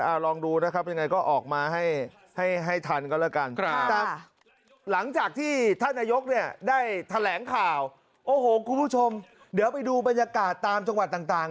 เอาลองดูนะครับยังไงก็ออกมาให้ให้ทันก็แล้วกันครับแต่หลังจากที่ท่านนายกเนี่ยได้แถลงข่าวโอ้โหคุณผู้ชมเดี๋ยวไปดูบรรยากาศตามจังหวัดต่าง